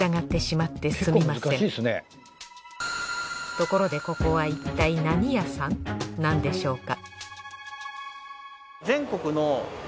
ところでここはいったい何屋さんなんでしょうか？